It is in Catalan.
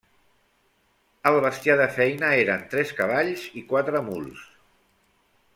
El bestiar de feina eren tres cavalls i quatre muls.